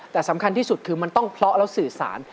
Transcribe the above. แต่สำคัญที่สุดคือมันต้องเพราะแล้วสื่อสาร